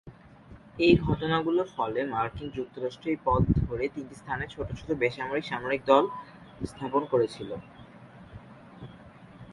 এই ঘটনাগুলোর ফলে মার্কিন যুক্তরাষ্ট্র এই পথ ধরে তিনটি স্থানে ছোট ছোট বেসামরিক-সামরিক দল স্থাপন করেছিল।